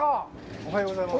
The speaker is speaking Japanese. おはようございます。